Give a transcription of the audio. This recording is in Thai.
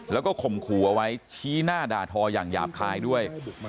แล้วก็ข่มขู่เอาไว้ชี้หน้าด่าทออย่างหยาบคายด้วย